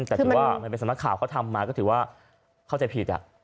แต่ถือว่ามันเป็นสำนักข่าวเขาทำมาก็ถือว่าเข้าใจผิด